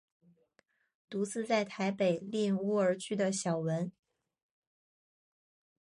独自在台北赁屋而居的小文。